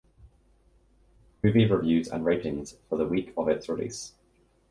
Movie Reviews and Ratings for the week of its release.